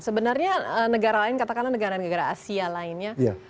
sebenarnya negara lain katakanlah negara negara asia lainnya